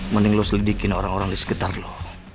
mending lo selidikin orang orang di sekitar lo